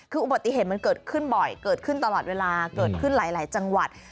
คืออุบัติเหตุมันเกิดขึ้นบ่อยเกิดขึ้นตลอดเวลาเกิดขึ้นหลายจังหวัด